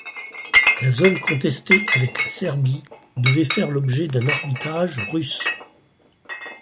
La zone contestée avec la Serbie devait faire l'objet d'un arbitrage russe.